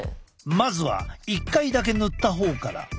まずは１回だけ塗った方から。